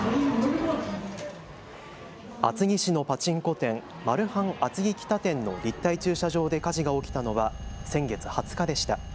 厚木市のパチンコ店、マルハン厚木北店の立体駐車場で火事が起きたのは先月２０日でした。